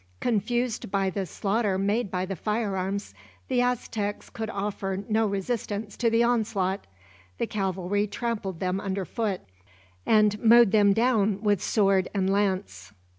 Confused by the slaughter made by the firearms, the Aztecs could offer no resistance to the onslaught. The cavalry trampled them underfoot, and mowed them down with sword and lance.